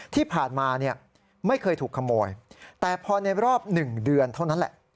ที่ผ่านมาเนี่ยไม่เคยถูกขโมยแต่พอในรอบ๑เดือนเท่านั้นแหละ